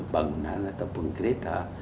bangunan ataupun kereta